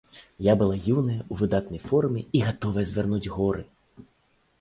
Я была юная, у выдатнай форме і гатовая звярнуць горы!